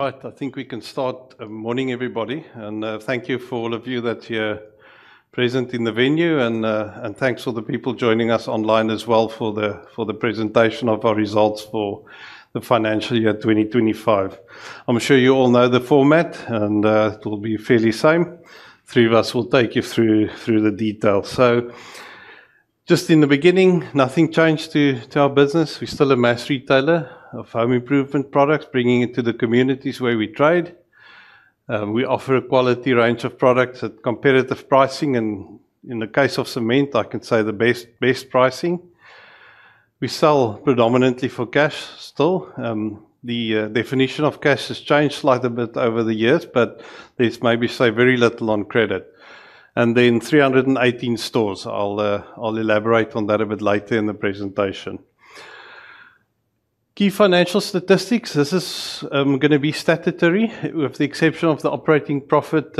Right, I think we can start. Morning everybody, and thank you for all of you that you're present in the venue, and thanks for the people joining us online as well for the presentation of our results for the financial year 2025. I'm sure you all know the format, and it will be fairly the same. Three of us will take you through the details. Just in the beginning, nothing changed to our business. We're still a mass retailer of home improvement products, bringing it to the communities where we trade. We offer a quality range of products at competitive pricing, and in the case of cement, I can say the best pricing. We sell predominantly for cash still. The definition of cash has changed slightly a bit over the years, but there's maybe very little on credit. Then 318 stores. I'll elaborate on that a bit later in the presentation. Key financial statistics, this is going to be statutory, with the exception of the operating profit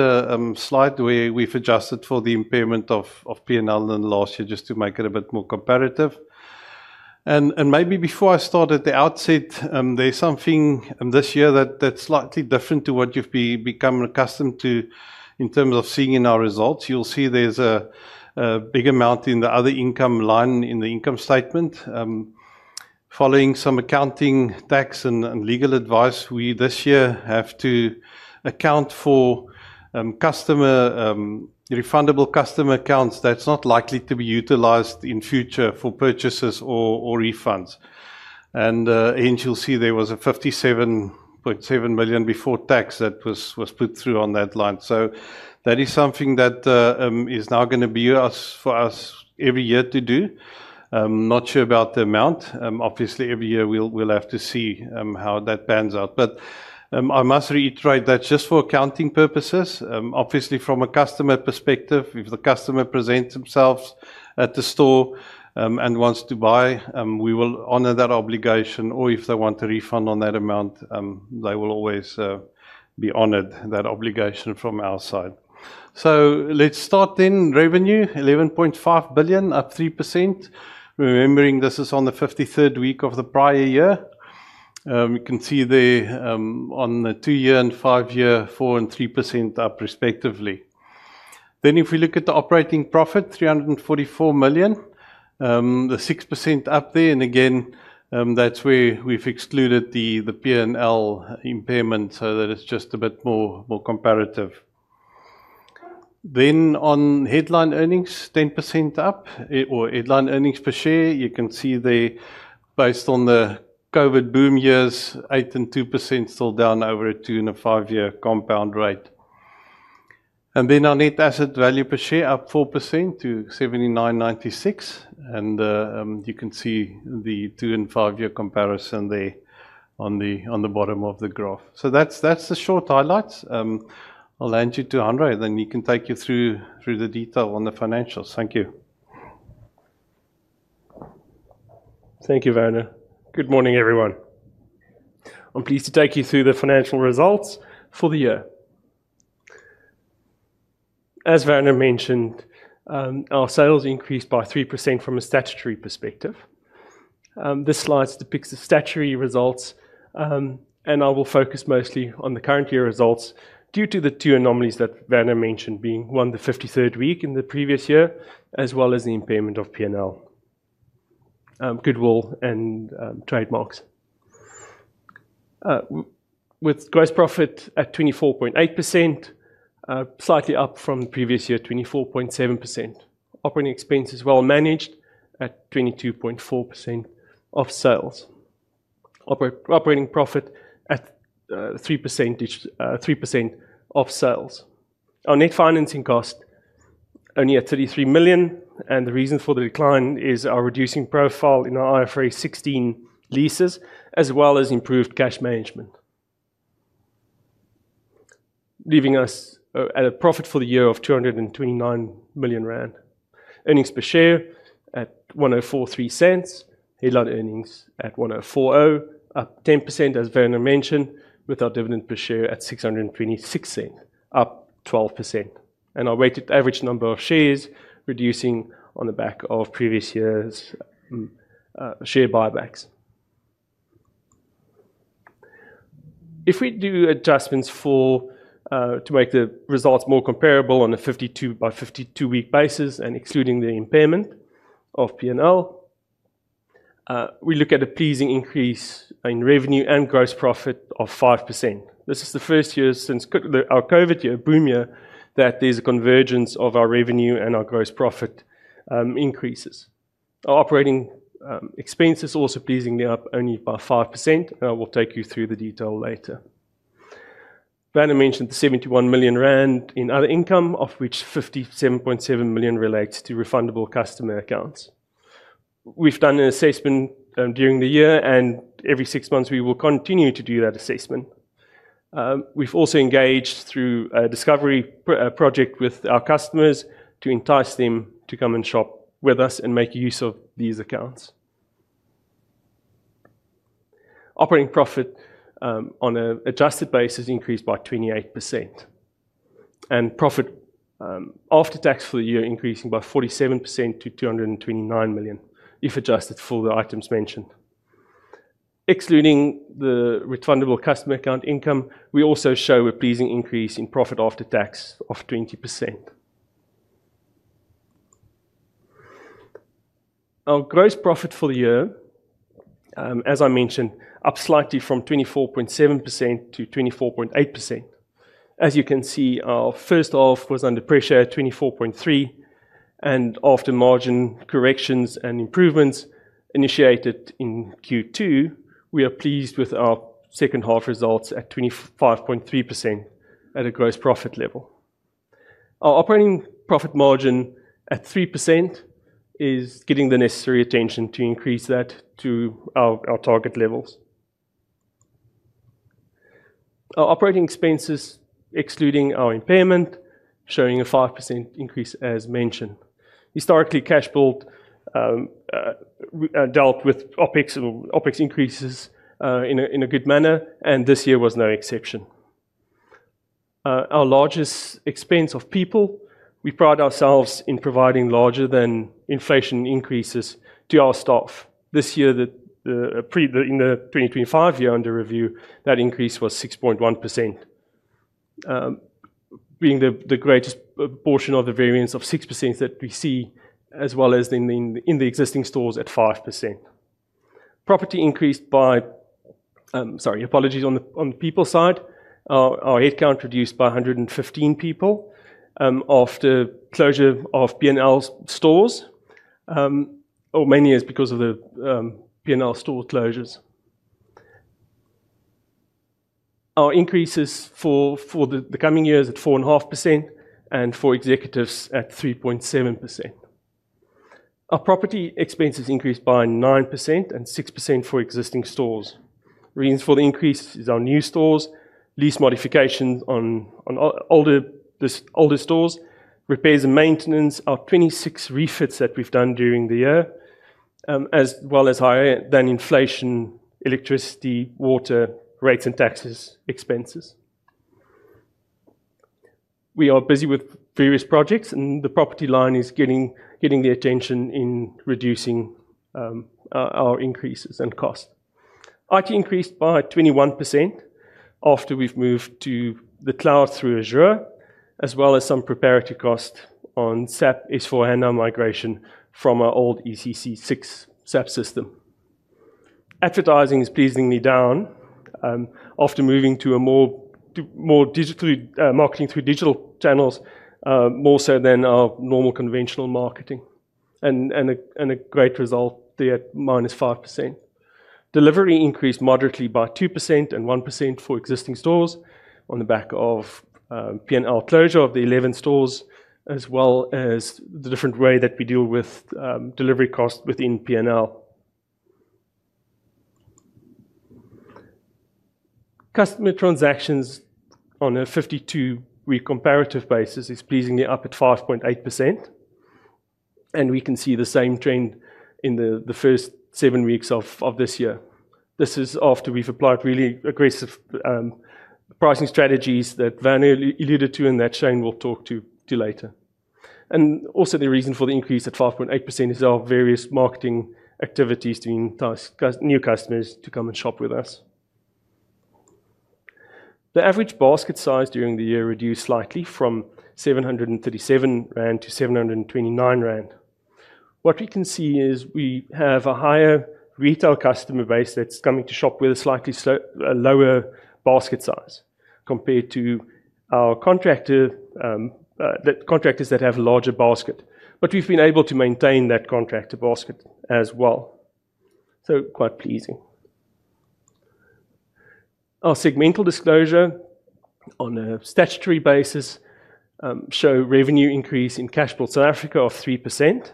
slide where we've adjusted for the impairment of P&L in the last year, just to make it a bit more comparative. Maybe before I start at the outset, there's something this year that's slightly different to what you've become accustomed to in terms of seeing in our results. You'll see there's a big amount in the other income line in the income statement. Following some accounting, tax, and legal advice, we this year have to account for customer refundable customer accounts that's not likely to be utilized in the future for purchases or refunds. You'll see there was a 57.7 million before tax that was put through on that line. That is something that is now going to be for us every year to do. I'm not sure about the amount. Obviously, every year we'll have to see how that pans out. I must reiterate that just for accounting purposes. Obviously, from a customer perspective, if the customer presents themselves at the store and wants to buy, we will honor that obligation, or if they want a refund on that amount, they will always be honored that obligation from our side. Let's start in revenue, 11.5 billion up 3%. Remembering this is on the 53rd week of the prior year. You can see there on the two-year and five-year, 4% and 3% up respectively. If we look at the operating profit, 344 million, the 6% up there, and again that's where we've excluded the P&L impairment so that it's just a bit more comparative. On headline earnings, 10% up or headline earnings per share, you can see there based on the COVID boom years, 8% and 2% still down over a two and five-year compound rate. Our net asset value per share is up 4% to R79.96, and you can see the two and five-year comparison there on the bottom of the graph. That's the short highlights. I'll hand you to Hanre, and then he can take you through the detail on the financials. Thank you. Thank you, Werner. Good morning everyone. I'm pleased to take you through the financial results for the year. As Werner mentioned, our sales increased by 3% from a statutory perspective. This slide depicts the statutory results, and I will focus mostly on the current year results due to the two anomalies that Werner mentioned, being one the 53rd week in the previous year, as well as the impairment of P&L goodwill and trademarks. With gross profit at 24.8%, slightly up from the previous year 24.7%. Operating expenses well managed at 22.4% of sales. Operating profit at 3% of sales. Our net financing cost only at 33 million, and the reason for the decline is our reducing profile in our IFRS 16 leases, as well as improved cash management. Leaving us at a profit for the year of 229 million rand. Earnings per share at 1.43, headline earnings at 1.40, up 10% as Werner mentioned, with our dividend per share at 6.26, up 12%. Our weighted average number of shares reducing on the back of previous year's share buybacks. If we do adjustments to make the results more comparable on a 52 by 52 week basis and excluding the impairment of P&L, we look at a pleasing increase in revenue and gross profit of 5%. This is the first year since our COVID year, boom year, that there's a convergence of our revenue and our gross profit increases. Our operating expenses are also pleasingly up only by 5%, and I will take you through the detail later. Werner mentioned the 71 million rand in other income, of which 57.7 million relates to refundable customer accounts. We've done an assessment during the year, and every six months we will continue to do that assessment. We've also engaged through a discovery project with our customers to entice them to come and shop with us and make use of these accounts. Operating profit on an adjusted basis increased by 28%. Profit after tax for the year increasing by 47% to 229 million if adjusted for the items mentioned. Excluding the refundable customer account income, we also show a pleasing increase in profit after tax of 20%. Our gross profit for the year, as I mentioned, up slightly from 24.7% to 24.8%. As you can see, our first half was under pressure at 24.3%, and after margin corrections and improvements initiated in Q2, we are pleased with our second half results at 25.3% at a gross profit level. Our operating profit margin at 3% is getting the necessary attention to increase that to our target levels. Our operating expenses excluding our impairment showing a 5% increase as mentioned. Historically, Cashbuild dealt with operating expenses increases in a good manner, and this year was no exception. Our largest expense of people, we pride ourselves in providing larger than inflation increases to our staff. This year, in the 2025 year under review, that increase was 6.1%. Being the greatest portion of the variance of 6% that we see, as well as in the existing stores at 5%. Property increased by, apologies on the people side. Our headcount reduced by 115 people after closure of P&L stores or many years because of the P&L store closures. Our increases for the coming years at 4.5% and for executives at 3.7%. Our property expenses increased by 9% and 6% for existing stores. Reasons for the increase is our new stores, lease modifications on older stores, repairs and maintenance, our 26 refits that we've done during the year, as well as higher than inflation, electricity, water, rates, and taxes expenses. We are busy with various projects, and the property line is getting the attention in reducing our increases and costs. IT increased by 21% after we've moved to the cloud through Azure, as well as some preparatory costs on SAP S/4HANA migration from our old ECC 6 SAP system. Advertising is pleasingly down after moving to a more digital marketing through digital channels, more so than our normal conventional marketing. A great result there at -5%. Delivery increased moderately by 2% and 1% for existing stores on the back of P& Hardware closure of the 11 stores, as well as the different way that we deal with delivery costs within P&L. Customer transactions on a 52-week comparative basis is pleasingly up at 5.8%. We can see the same trend in the first seven weeks of this year. This is after we've applied really aggressive pricing strategies that Werner de Jager alluded to and that Shane Thoresson will talk to later. The reason for the increase at 5.8% is our various marketing activities to entice new customers to come and shop with us. The average basket size during the year reduced slightly from 737 rand -729 rand. What we can see is we have a higher retail customer base that's coming to shop with a slightly lower basket size compared to our contractors that have a larger basket. We've been able to maintain that contractor basket as well. Quite pleasing. Our segmental disclosure on a statutory basis shows a revenue increase in Cashbuild South Africa of 3%,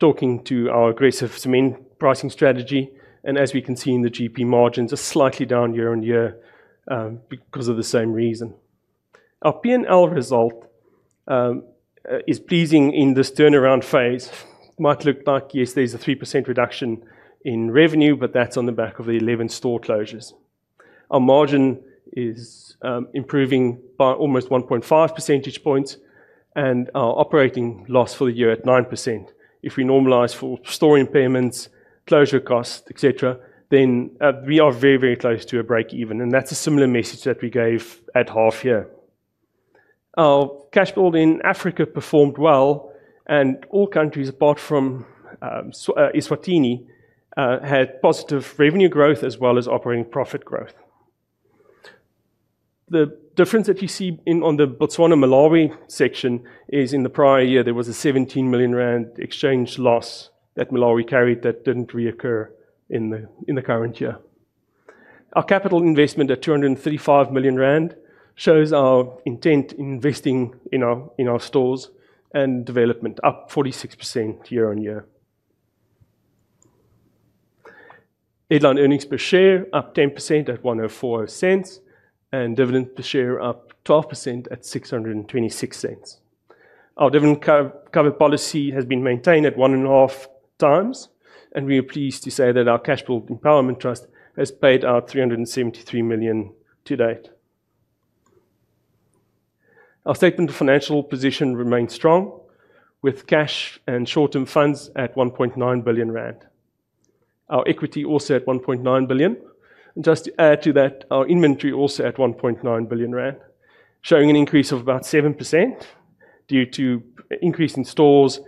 talking to our aggressive cement pricing strategy. As we can see in the gross profit margin, margins are slightly down year on year because of the same reason. Our P&L result is pleasing in this turnaround phase. Might look like yes, there's a 3% reduction in revenue, but that's on the back of the 11 store closures. Our margin is improving by almost 1.5 percentage points and our operating loss for the year at 9%. If we normalize for store impairments, closure costs, etc., then we are very, very close to a break even, and that's a similar message that we gave at half year. Our Cashbuild in Africa performed well, and all countries apart from Eswatini had positive revenue growth as well as operating profit growth. The difference that you see on the Botswana-Malawi section is in the prior year there was a 17 million rand exchange loss that Malawi carried that didn't reoccur in the current year. Our capital investment at 235 million rand shows our intent in investing in our stores and development, up 46% year-on-year. Headline earnings per share up 10% at 1.40, and dividend per share up 12% at 6.26. Our dividend cover policy has been maintained at one and a half times, and we are pleased to say that our Cashbuild Empowerment Trust has paid out 373 million to date. Our statement of financial position remains strong with cash and short-term funds at 1.9 billion rand. Our equity also at 1.9 billion, and just to add to that, our inventory also at R1.9 billion, showing an increase of about 7% due to increasing stores,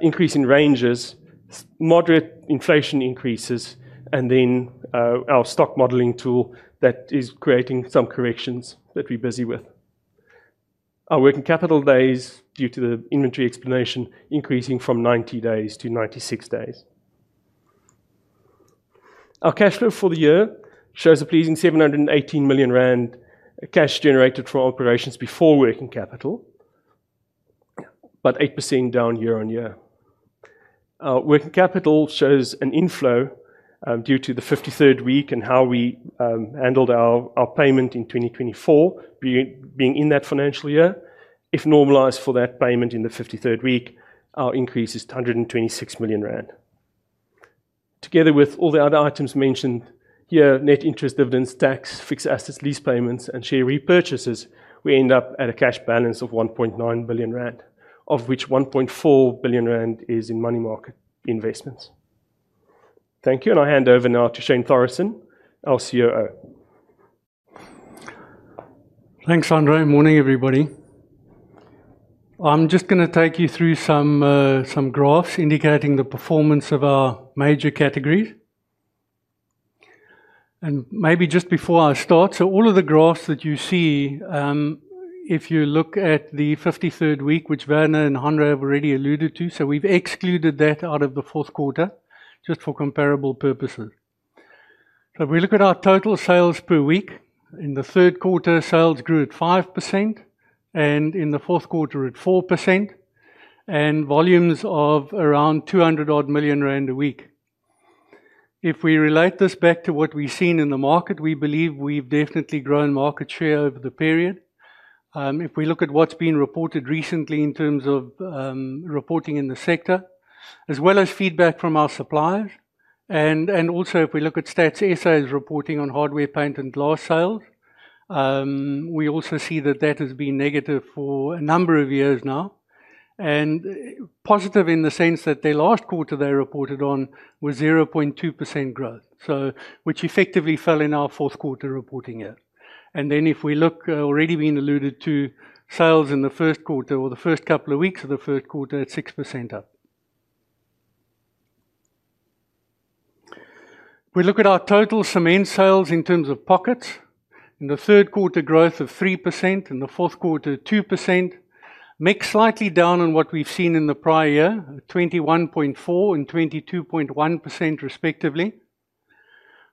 increasing ranges, moderate inflation increases, and then our stock modeling tool that is creating some corrections that we're busy with. Our working capital days due to the inventory explanation increasing from 90 days to 96 days. Our cash flow for the year shows a pleasing 718 million rand cash generated from operations before working capital, but 8% down year-on-year. Our working capital shows an inflow due to the 53rd week and how we handled our payment in 2024, being in that financial year. If normalized for that payment in the 53rd week, our increase is 126 million rand. Together with all the other items mentioned here, net interest, dividends, tax, fixed assets, lease payments, and share repurchases, we end up at a cash balance of 1.9 billion rand, of which 1.4 billion rand is in money market investments. Thank you, and I hand over now to Shane Thoresson, our COO. Thanks, Hanre. Morning everybody. I'm just going to take you through some graphs indicating the performance of our major categories. Maybe just before I start, all of the graphs that you see, if you look at the 53rd week, which Werner and Hanre already alluded to, we've excluded that out of the fourth quarter just for comparable purposes. If we look at our total sales per week, in the third quarter, sales grew at 5% and in the fourth quarter at 4%, and volumes of around 200-odd million rand a week. If we relate this back to what we've seen in the market, we believe we've definitely grown market share over the period. If we look at what's been reported recently in terms of reporting in the sector, as well as feedback from our suppliers, and also if we look at stats sales reporting on hardware, paint, and glass sales, we also see that that has been negative for a number of years now. Positive in the sense that the last quarter they report-d on was 0.2% growth, which effectively fell in our fourth quarter reporting year. If we look, already been alluded to, sales in the first quarter or the first couple of weeks of the third quarter at 6% up. We look at our total cement sales in terms of pockets, and the third quarter growth of 3% and the fourth quarter 2%, make slightly down on what we've seen in the prior year, 21.4% and 22.1% respectively.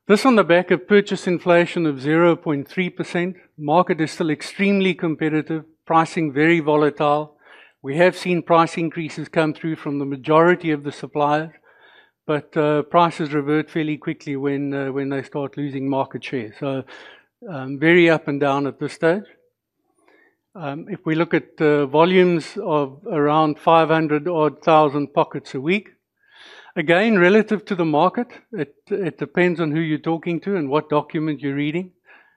This on the back of purchase inflation of 0.3%. Market is still extremely competitive, pricing very volatile. We have seen price increases come through from the majority of the suppliers, but prices revert fairly quickly when they start losing market share. Very up and down at this stage. If we look at the volumes of around 500-odd thousand pockets a week, again relative to the market, it depends on who you're talking to and what document you're reading.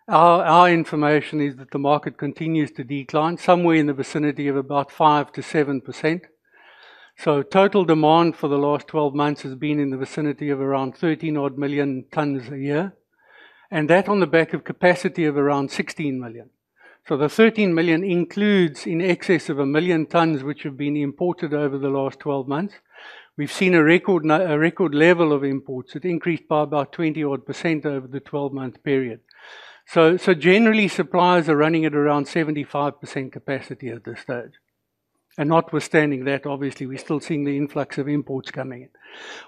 Our information is that the market continues to decline somewhere in the vicinity of about 5%-7%. Total demand for the last 12 months has been in the vicinity of around 13-odd million tonnes a year, and that on the back of capacity of around 16 million. The 13 million includes in excess of 1 million tonnes which have been imported over the last 12 months. We've seen a record level of imports that increased by about 20% over the 12-month period. Generally, suppliers are running at around 75% capacity at this stage. Notwithstanding that, obviously, we're still seeing the influx of imports coming in.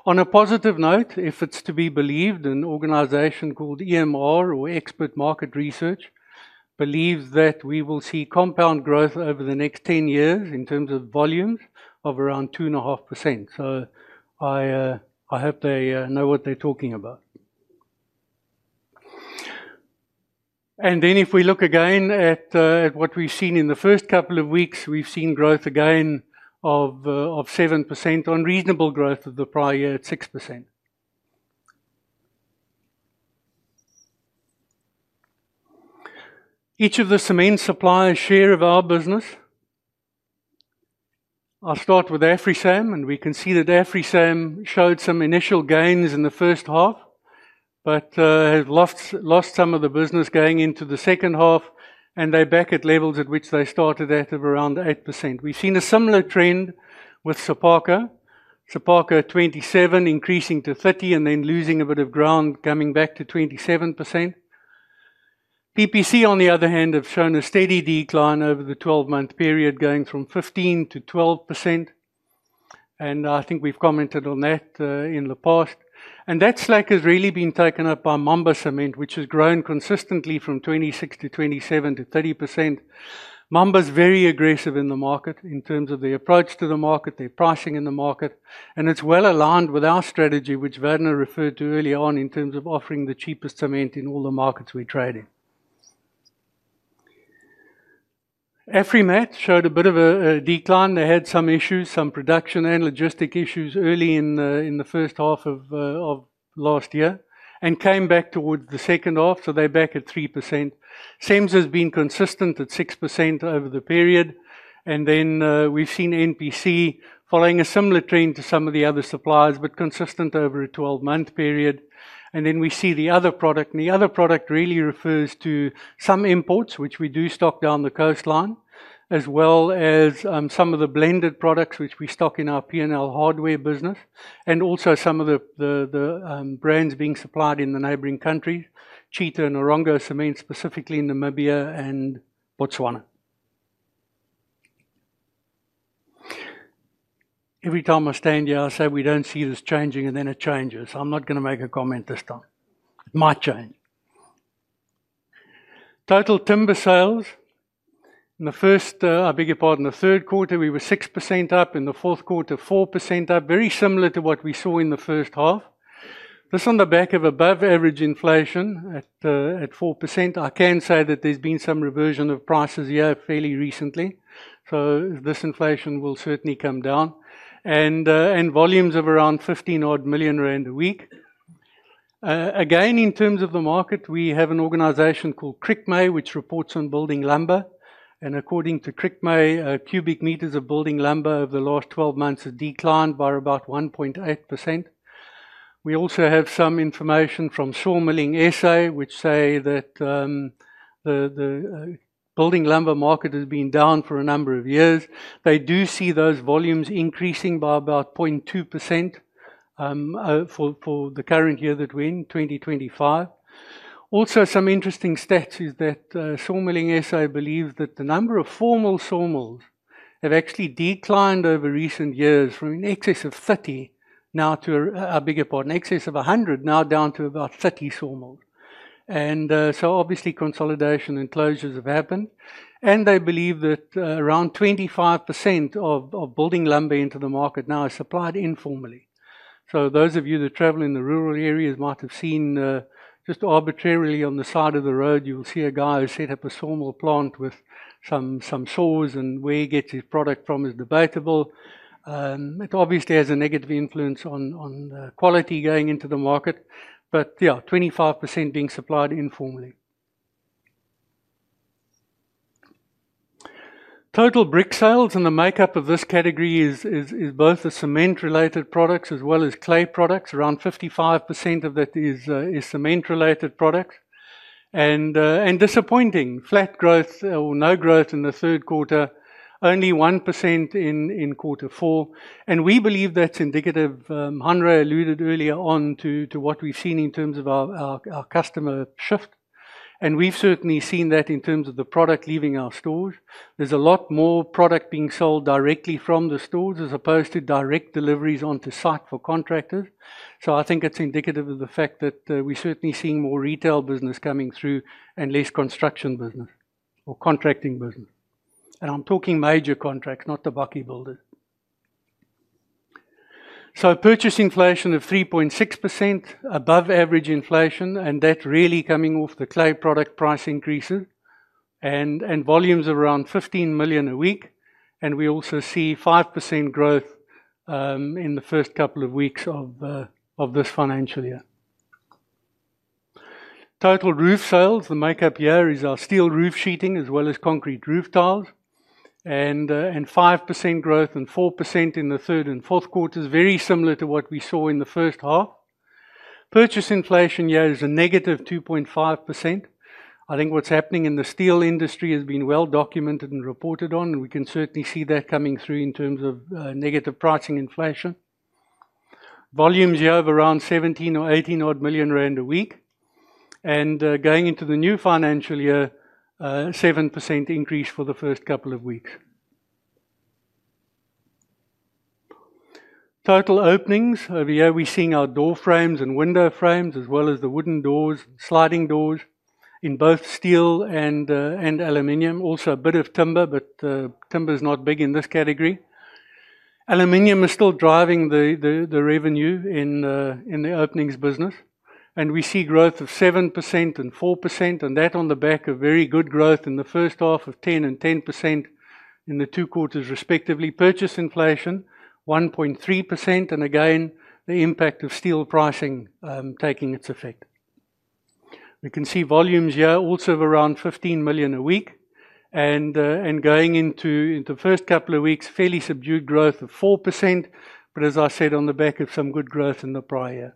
On a positive note, if it's to be believed, an organization called EMR or Expert Market Research believes that we will see compound growth over the next 10 years in terms of volumes of around 2.5%. I hope they know what they're talking about. If we look again at what we've seen in the first couple of weeks, we've seen growth again of 7% on reasonable growth of the prior year at 6%. Each of the cement suppliers' share of our business: I'll start with AfriSam, and we can see that AfriSam showed some initial gains in the first half, but lost some of the business going into the second half, and they're back at levels at which they started out of around 8%. We've seen a similar trend with Sephaku. Sephaku 27%, increasing to 30%, and then losing a bit of ground, coming back to 27%. PPC, on the other hand, have shown a steady decline over the 12-month period, going from 15% to 12%. I think we've commented on that in the past. That slack has really been taken up by Mamba Cement, which has grown consistently from 26% to 27% to 30%. Mamba's very aggressive in the market in terms of their approach to the market, their pricing in the market, and it's well aligned with our strategy, which Werner referred to early on in terms of offering the cheapest cement in all the markets we trade. Afrimat showed a bit of a decline. They had some issues, some production and logistic issues early in the first half of last year and came back toward the second half, so they're back at 3%. Siemens has been consistent at 6% over the period. We've seen NPC following a similar trend to some of the other suppliers, but consistent over a 12-month period. We see the other product, and the other product really refers to some imports, which we do stock down the coastline, as well as some of the blended products, which we stock in our P&L Hardware business, and also some of the brands being supplied in the neighboring countries, Cheetah and Ohorongo Cement, specifically in Namibia and Botswana. Every time I stand here, I say we don't see this changing, and then it changes. I'm not going to make a comment this time. It might change. Total timber sales in the third quarter were 6% up. In the fourth quarter, 4% up, very similar to what we saw in the first half. This on the back of above-average inflation at 4%. I can say that there's been some reversion of prices here fairly recently. This inflation will certainly come down. Volumes of around 15 million rand a week. Again, in terms of the market, we have an organization called Crickmay, which reports on building lumber. According to Crickmay, cubic meters of building lumber over the last 12 months has declined by about 1.8%. We also have some information from Sawmilling SA, which say that the building lumber market has been down for a number of years. They do see those volumes increasing by about 0.2% for the current year that we're in, 2025. Also, some interesting stats are that Sawmilling SA believe that the number of formal sawmills have actually declined over recent years from in excess of 100 now down to about 30 sawmills. Obviously, consolidation and closures have happened. They believe that around 25% of building lumber into the market now is supplied informally. Those of you that travel in the rural areas might have seen just arbitrarily on the side of the road, you will see a guy who set up a sawmill plant with some saws, and where he gets his product from is debatable. It obviously has a negative influence on the quality going into the market. 25% being supplied informally. Total brick sales in the makeup of this category is both the cement-related products as well as clay products. Around 55% of that is cement-related products. Disappointing, flat growth or no growth in the third quarter, only 1% in quarter four. We believe that's indicative, Hanre alluded earlier on to what we've seen in terms of our customer shift. We've certainly seen that in terms of the product leaving our stores. There's a lot more product being sold directly from the stores as opposed to direct deliveries onto site for contractors. I think it's indicative of the fact that we're certainly seeing more retail business coming through and less construction business or contracting business. I'm talking major contracts, not the bucky builders. Purchase inflation of 3.6%, above average inflation, and that's really coming off the clay product price increases and volumes of around 15 million a week. We also see 5% growth in the first couple of weeks of this financial year. Total roof sales, the makeup here is our steel roof sheeting as well as concrete roof tiles. We saw 5% growth and 4% in the third and fourth quarters, very similar to what we saw in the first half. Purchase inflation year is a -2.5%. I think what's happening in the steel industry has been well documented and reported on, and we can certainly see that coming through in terms of negative pricing inflation. Volumes year of around 17 million or 18 million rand a week. Going into the new financial year, a 7% increase for the first couple of weeks. Total openings over here, we're seeing our door frames and window frames as well as the wooden doors, sliding doors in both steel and aluminum. Also, a bit of timber, but timber's not big in this category. Aluminum is still driving the revenue in the openings business. We see growth of 7% and 4%, and that on the back of very good growth in the first half of 10% and 10% in the two quarters respectively. Purchase inflation 1.3%, and again, the impact of steel pricing taking its effect. We can see volumes year also of around 15 million a week. Going into the first couple of weeks, fairly subdued growth of 4%, but as I said, on the back of some good growth in the prior year.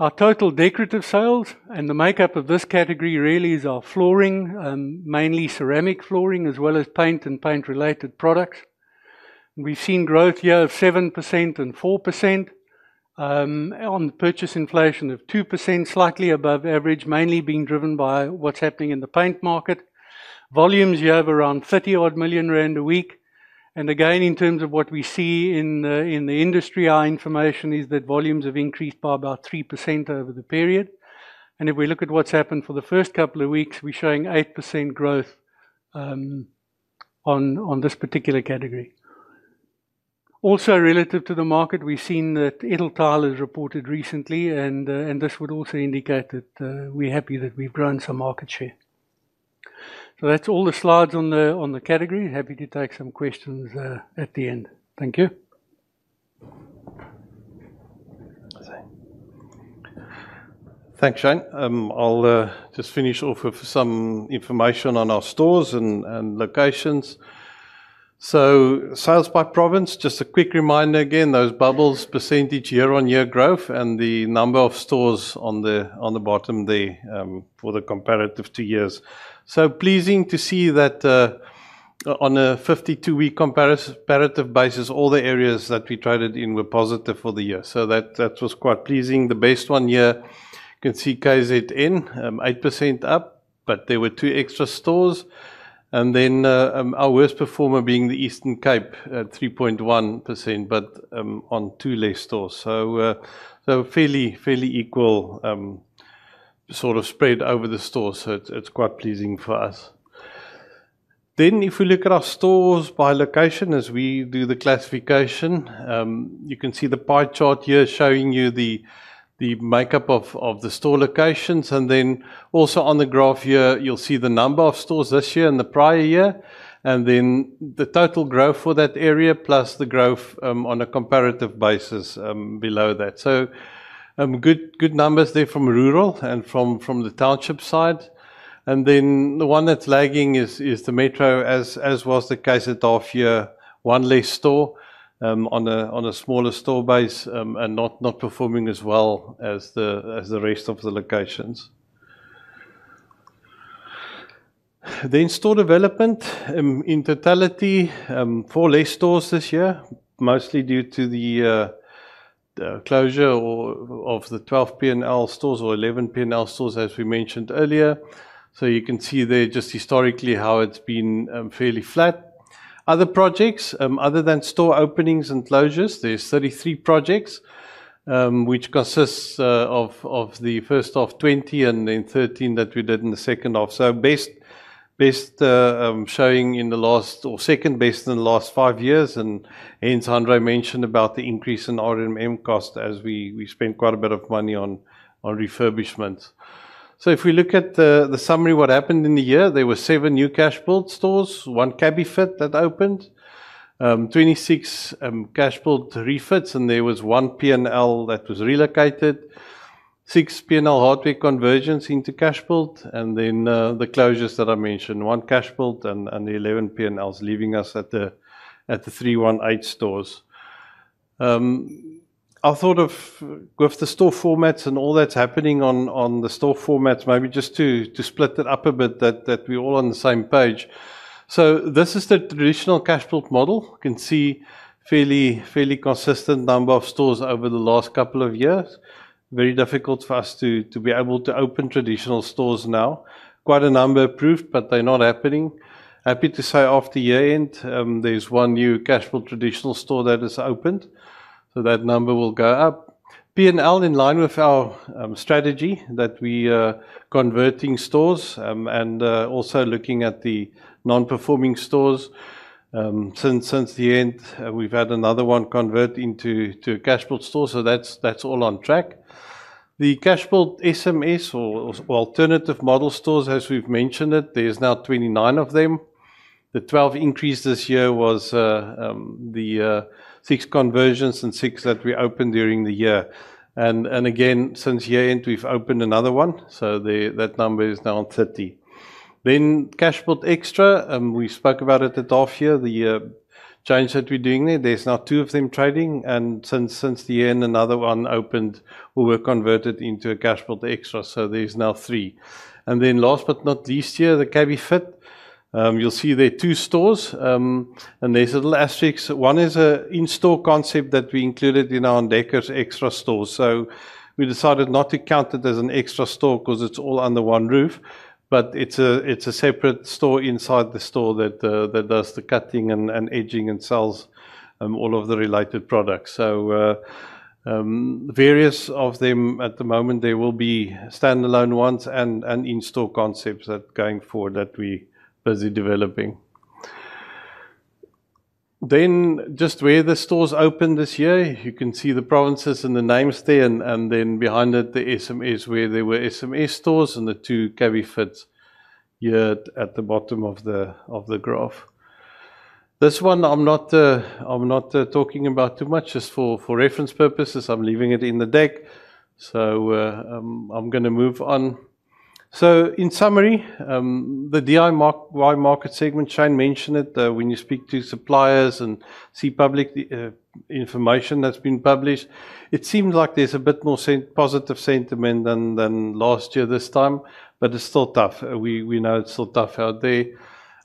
Our total decorative sales and the makeup of this category really is our flooring, mainly ceramic flooring as well as paint and paint-related products. We've seen growth year of 7% and 4% on the purchase inflation of 2%, slightly above average, mainly being driven by what's happening in the paint market. Volumes year of around 30 million rand a week. In terms of what we see in the industry, our information is that volumes have increased by about 3% over the period. If we look at what's happened for the first couple of weeks, we're showing 8% growth on this particular category. Also, relative to the market, we've seen that Edeltale has reported recently, and this would also indicate that we're happy that we've grown some market share. That's all the slides on the category. Happy to take some questions at the end. Thank you. Thanks, Shane. I'll just finish off with some information on our stores and locations. Sales by province, just a quick reminder again, those bubbles, percentage year-on-year growth, and the number of stores on the bottom there for the comparative two years. It's pleasing to see that on a 52-week comparative basis, all the areas that we traded in were positive for the year. That was quite pleasing. The best one year, you can see KZN 8% up, but there were two extra stores. Our worst performer being the Eastern Cape at 3.1%, but on two less stores. Fairly equal sort of spread over the stores. It's quite pleasing for us. If we look at our stores by location, as we do the classification, you can see the pie chart here showing you the makeup of the store locations. Also on the graph here, you'll see the number of stores this year and the prior year. The total growth for that area plus the growth on a comparative basis is below that. Good numbers there from rural and from the township side. The one that's lagging is the metro, as was the Casatopia, one less store on a smaller store base and not performing as well as the rest of the locations. Store development in totality, four less stores this year, mostly due to the closure of the 12 P&L stores or 11 P&L stores, as we mentioned earlier. You can see there just historically how it's been fairly flat. Other projects, other than store openings and closures, there's 33 projects, which consists of the first half 20 and then 13 that we did in the second half. Best showing in the last or second best in the last five years. As Andre mentioned about the increase in RMM cost, we spent quite a bit of money on refurbishments. If we look at the summary of what happened in the year, there were seven new Cashbuild stores, one Cabbie Fit that opened, 26 Cashbuild refits, and there was one P&L e that was relocated, six P&L conversions into Cashbuild, and then the closures that I mentioned, one Cashbuild and the 11 P&L stores, leaving us at the 318 stores. I thought of the store formats and all that's happening on the store formats, maybe just to split it up a bit that we're all on the same page. This is the traditional Cashbuild model. You can see a fairly consistent number of stores over the last couple of years. It's very difficult for us to be able to open traditional stores now. Quite a number approved, but they're not happening. Happy to say after year end, there's one new Cashbuild traditional store that has opened. That number will go up. P&L in line with our strategy that we are converting stores and also looking at the non-performing stores. Since the end, we've had another one convert into Cashbuild stores. That's all on track. The Cashbuild SMS or alternative model stores, as we've mentioned it, there's now 29 of them. The 12 increase this year was the six conversions and six that we opened during the year. Again, since year end, we've opened another one. That number is now 30. Cashbuild Extra, we spoke about it at Darthear, the change that we're doing there. There's now two of them trading. Since the end, another one opened or was converted into a Cashbuild Extra. There's now three. Last but not least here, the Cabbie Fit. You'll see there are two stores. There's a little asterisk. One is an in-store concept that we included in our Deckers Extra stores. We decided not to count it as an extra store because it's all under one roof. It's a separate store inside the store that does the cutting and edging and sells all of the related products. Various of them at the moment, there will be standalone ones and in-store concepts that are going forward that we're busy developing. Just where the stores opened this year, you can see the provinces and the names there. Behind it, the SMAs where there were SMA stores and the two Cabbie Fits here at the bottom of the graph. This one I'm not talking about too much just for reference purposes. I'm leaving it in the deck. I'm going to move on. In summary, the DIY market segment, Shane mentioned it when you speak to suppliers and see public information that's been published. It seems like there's a bit more positive sentiment than last year this time, but it's still tough. We know it's still tough out there.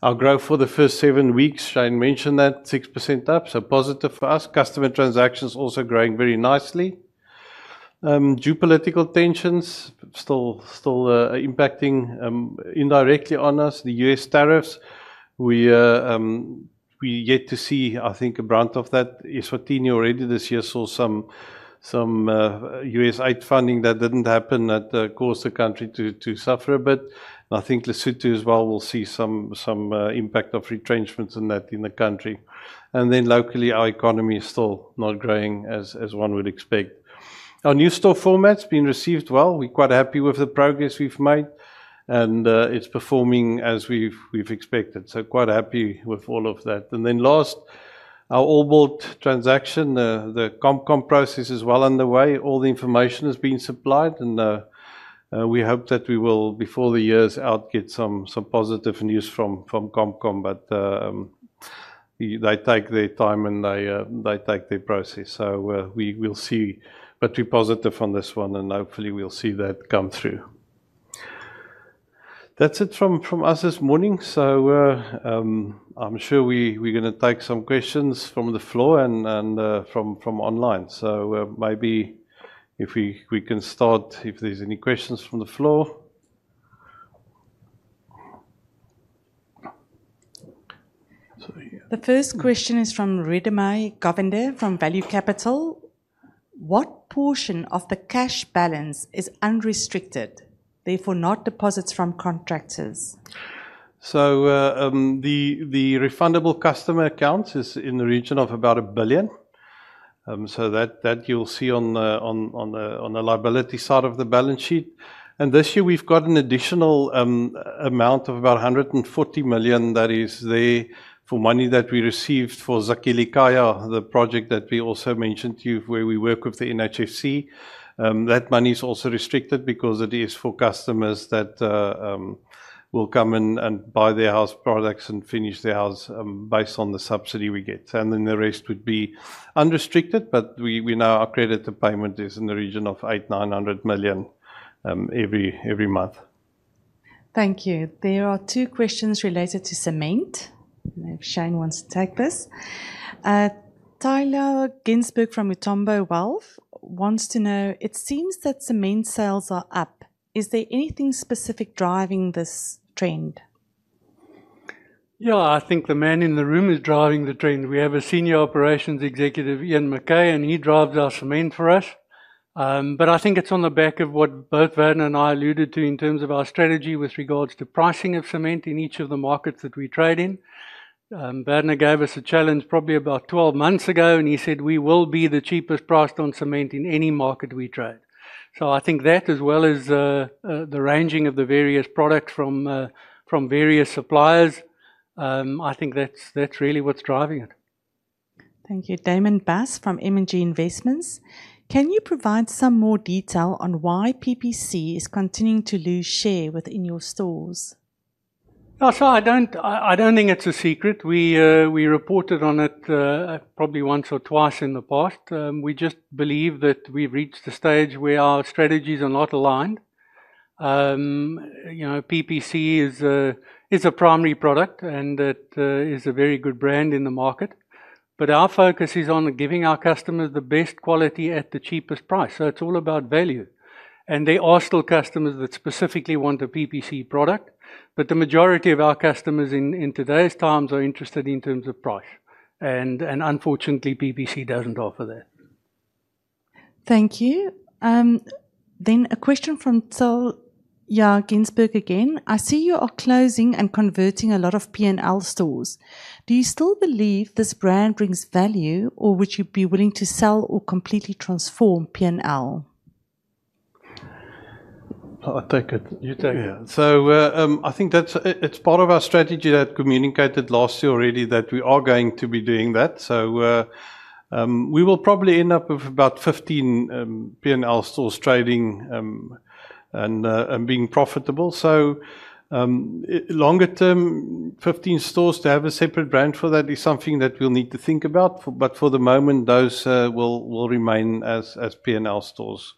Our growth for the first seven weeks, Shane mentioned that, 6% up. Positive for us. Customer transactions also growing very nicely. Geopolitical tensions still impacting indirectly on us, the U.S. tariffs. We're yet to see, I think, a brunt of that. Eswatini already this year saw some U.S. aid funding that didn't happen that caused the country to suffer a bit. I think Lesotho as well will see some impact of retrenchments in that in the country. Locally, our economy is still not growing as one would expect. Our new store format's been received well. We're quite happy with the progress we've made. It's performing as we've expected, so quite happy with all of that. Last, our Allboard transaction, the ComCom process is well underway. All the information has been supplied, and we hope that we will, before the year's out, get some positive news from ComCom. They take their time and they take their process. We'll see, but we're positive on this one and hopefully we'll see that come through. That's it from us this morning. I'm sure we're going to take some questions from the floor and from online. Maybe if we can start, if there's any questions from the floor. The first question is from Ridamai Govinder from Value Capital. What portion of the cash balance is unrestricted, therefore not deposits from contractors? The refundable customer accounts is in the region of about 1 billion. You'll see that on the liability side of the balance sheet. This year, we've got an additional amount of about 140 million that is there for money that we received for Zakilikaya, the project that we also mentioned to you where we work with the NHFC. That money is also restricted because it is for customers that will come and buy their house products and finish their house based on the subsidy we get. The rest would be unrestricted, but we now upgraded the payment. It's in the region of 800 million, 900 million every month. Thank you. There are two questions related to cement. If Shane wants to take this. Tyler Ginsburg from Utombo Wealth wants to know, it seems that cement sales are up. Is there anything specific driving this trend? Yeah, I think the man in the room is driving the trend. We have a Senior Operations Executive, Ian McKay, and he drives our cement for us. I think it's on the back of what both Werner and I alluded to in terms of our strategy with regards to pricing of cement in each of the markets that we trade in. Werner gave us a challenge probably about 12 months ago, and he said we will be the cheapest priced on cement in any market we trade. I think that, as well as the ranging of the various products from various suppliers, that's really what's driving it. Thank you. Damon Bass from M&G Investments. Can you provide some more detail on why PPC is continuing to lose share within your stores? I don't think it's a secret. We reported on it probably once or twice in the past. We just believe that we've reached a stage where our strategies are not aligned. PPC is a primary product, and it is a very good brand in the market. Our focus is on giving our customers the best quality at the cheapest price. It's all about value. There are still customers that specifically want a PPC product. The majority of our customers in today's times are interested in terms of price. Unfortunately, PPC doesn't offer that. Thank you. A question from Tyler Ginsburg again. I see you are closing and converting a lot of P&L stores. Do you still believe this brand brings value, or would you be willing to sell or completely transform P&L? I take it. You take it. I think it's part of our strategy that I communicated last year already that we are going to be doing that. We will probably end up with about 15 P&L stores trading and being profitable. Longer term, 15 stores to have a separate brand for that is something that we'll need to think about. For the moment, those will remain as P&L stores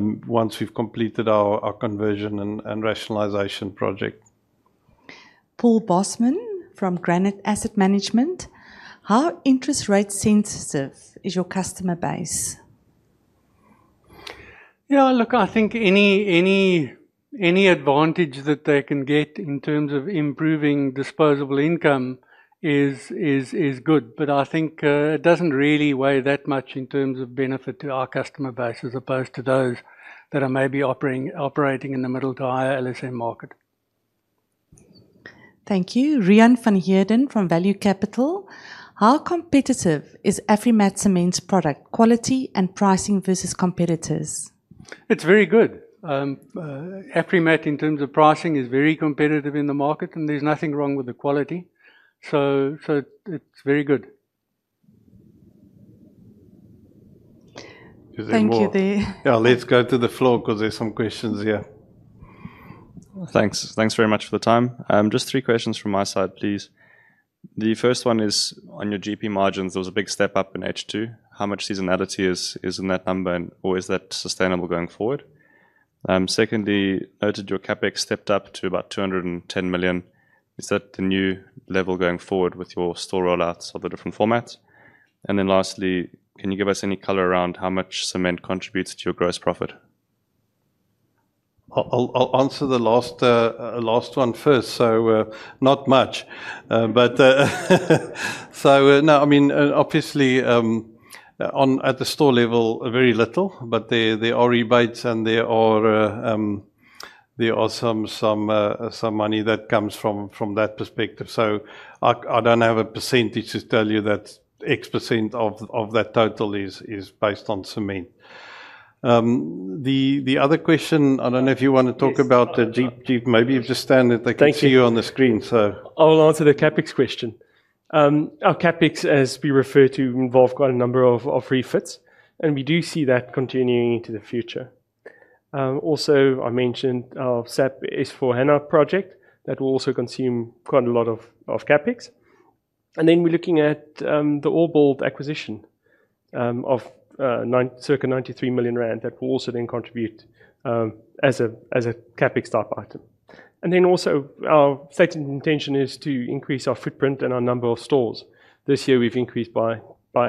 once we've completed our conversion and rationalisation project. Paul Bosman from Granite Asset Management. How interest rate sensitive is your customer base? Yeah, look, I think any advantage that they can get in terms of improving disposable income is good. I think it doesn't really weigh that much in terms of benefit to our customer base as opposed to those that are maybe operating in the middle to higher LSM market. Thank you. Riaan van Heerden from Valeo Capital. How competitive is Afrimat Cement's product quality and pricing versus competitors? It's very good. Afrimat, in terms of pricing, is very competitive in the market, and there's nothing wrong with the quality. It's very good. Thank you. Yeah, let's go to the floor because there's some questions here. Thanks. Thanks very much for the time. Just three questions from my side, please. The first one is on your GP margins, there was a big step up in H2. How much seasonality is in that number, or is that sustainable going forward? Secondly, noted your CapEx stepped up to about 210 million. Is that the new level going forward with your store rollouts of the different formats? Lastly, can you give us any color around how much cement contributes to your gross profit? I'll answer the last one first. Not much. At the store level, very little, but there are rebates, and there is some money that comes from that perspective. I don't have a percentage to tell you that X% of that total is based on cement. The other question, I don't know if you want to talk about the deep, deep, maybe you just stand at the. Thank you. You on the screen. I'll answer the CapEx question. Our CapEx, as we refer to, involves quite a number of refits, and we do see that continuing into the future. I mentioned our SAP S/4HANA project that will also consume quite a lot of CapEx. We're looking at the Allboard acquisition of approximately 93 million rand that will also then contribute as a CapEx type item. Our second intention is to increase our footprint and our number of stores. This year, we've increased by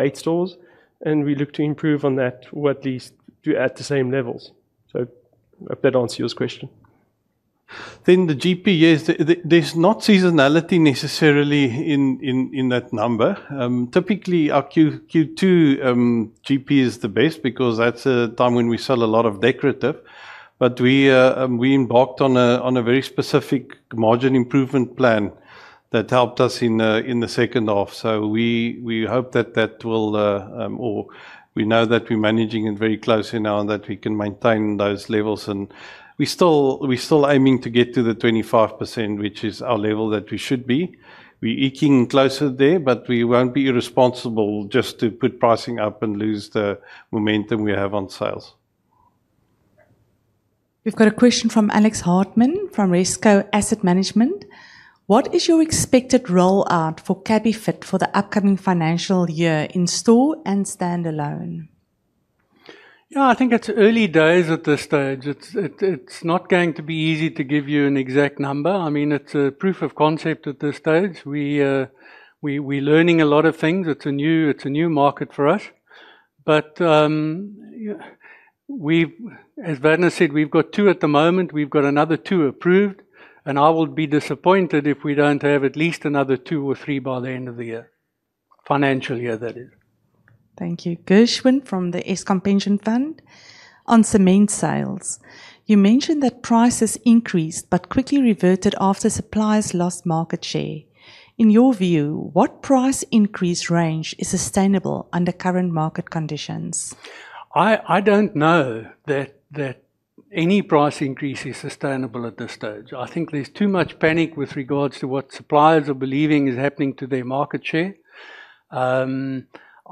eight stores, and we look to improve on that or at least to add the same levels. I better answer your question. The GP, yes, there's not seasonality necessarily in that number. Typically, our Q2 GP is the best because that's a time when we sell a lot of decorative. We embarked on a very specific margin improvement plan that helped us in the second half. We hope that that will, or we know that we're managing it very closely now that we can maintain those levels. We're still aiming to get to the 25%, which is our level that we should be. We're eeking closer there, but we won't be responsible just to put pricing up and lose the momentum we have on sales. We've got a question from Alex Hartman from Resco Asset Management. What is your expected rollout for Cabbie Fit for the upcoming financial year in store and standalone? Yeah, I think it's early days at this stage. It's not going to be easy to give you an exact number. I mean, it's a proof of concept at this stage. We're learning a lot of things. It's a new market for us. As Werner said, we've got two at the moment. We've got another two approved. I will be disappointed if we don't have at least another two or three by the end of the year, financial year that is. Thank you. Gershwin from the S Comp Pension Fund on cement sales. You mentioned that prices increased, but quickly reverted after suppliers lost market share. In your view, what price increase range is sustainable under current market conditions? I don't know that any price increase is sustainable at this stage. I think there's too much panic with regards to what suppliers are believing is happening to their market share.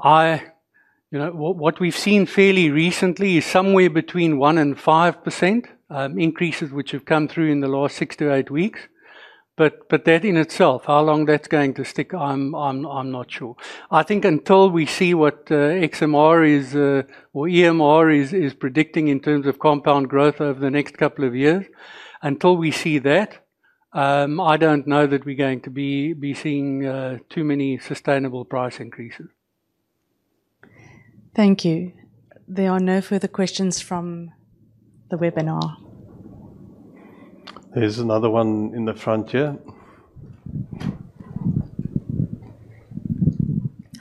What we've seen fairly recently is somewhere between 1% and 5% increases, which have come through in the last six to eight weeks. That in itself, how long that's going to stick, I'm not sure. I think until we see what EMR is predicting in terms of compound growth over the next couple of years, until we see that, I don't know that we're going to be seeing too many sustainable price increases. Thank you. There are no further questions from the webinar. There's another one in the front here.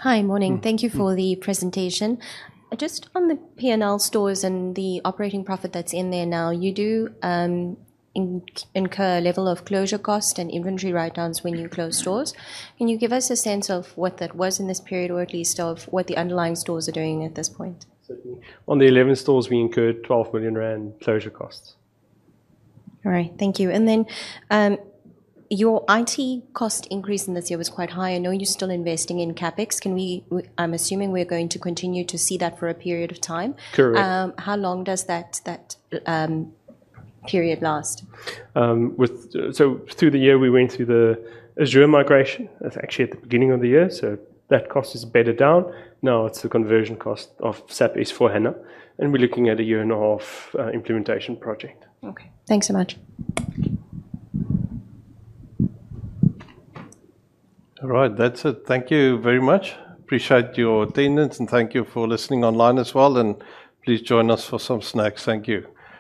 Hi, morning. Thank you for the presentation. Just on the P&L stores and the operating profit that's in there now, you do incur a level of closure cost and inventory write-downs when you close stores. Can you give us a sense of what that was in this period or at least of what the underlying stores are doing at this point? Certainly. On the 11 stores, we incurred 12 million rand closure costs. All right. Thank you. Your IT cost increase in this year was quite high. I know you're still investing in CapEx. I'm assuming we're going to continue to see that for a period of time. Correct. How long does that period last? Through the year, we went through the Microsoft Azure migration. That's actually at the beginning of the year. That cost is better down now. It's the conversion cost of SAP S/4HANA, and we're looking at a year and a half implementation project. Okay, thanks so much. All right. That's it. Thank you very much. Appreciate your attendance, and thank you for listening online as well. Please join us for some snacks. Thank you.